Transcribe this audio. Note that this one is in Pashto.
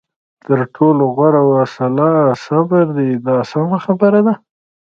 تر ټولو غوره وسله صبر دی دا سمه خبره ده.